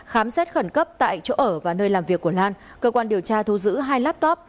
khám xét khẩn cấp tại chỗ ở và nơi làm việc của lan cơ quan điều tra thu giữ hai laptop